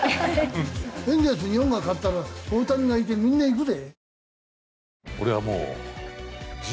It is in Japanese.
エンゼルス日本が買ったら大谷がいてみんな行くぜ？